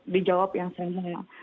dijawab yang saya mau